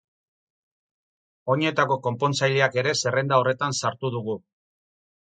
Oinetako-konpontzaileak ere zerrenda horretan sartu dugu.